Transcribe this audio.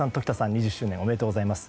２０周年おめでとうございます。